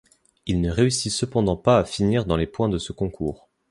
Il ne réussit cependant pas à finir dans les points de ce concours.